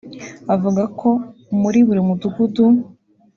Avuga ko muri buri mudugudu